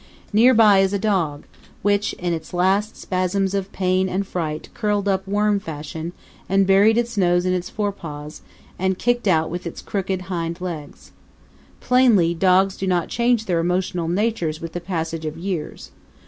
Nearby is a dog, which in its last spasms of pain and fright curled up worm fashion, and buried its nose in its forepaws and kicked out with its crooked hind legs. Plainly dogs do not change their emotional natures with the passage of years.